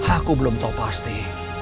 aku belum tahu pasti